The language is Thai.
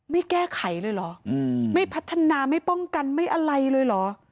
ไม่แก้ไขเลยเหรอไม่พัฒนาไม่ป้องกันไม่อะไรเลยเหรอ